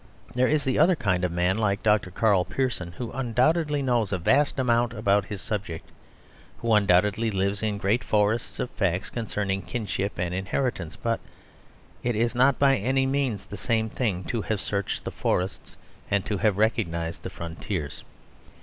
There is the other kind of man, like Dr. Karl Pearson, who undoubtedly knows a vast amount about his subject; who undoubtedly lives in great forests of facts concerning kinship and inheritance. But it is not, by any means, the same thing to have searched the forests and to have recognised the frontiers.